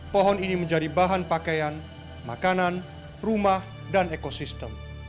pohon ini menjadi bahan pakaian makanan rumah dan ekosistem